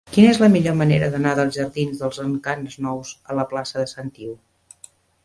Quina és la millor manera d'anar dels jardins dels Encants Nous a la plaça de Sant Iu?